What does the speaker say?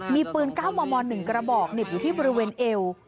มีปืน๙มม๑กระบอกเหน็บอยู่ที่บริเวณเอว